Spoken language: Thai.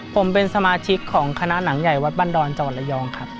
ผมเป็นสมาชิกของคณะหนังใหญ่วัดบันดรจังหวัดระยองครับ